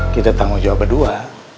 kita tanggung jawab berdua